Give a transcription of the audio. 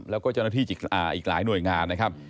แล้วก็เจ้าหน้าที่อีกหลายหน่วยงานนะครับ